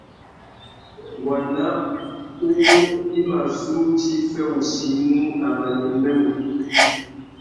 Wanda uwú i mà zu djï fê wussi i mú, a mà nyême mutu.